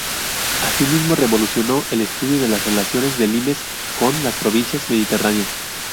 Así mismo revolucionó el estudio de las relaciones del limes con las provincias mediterráneas.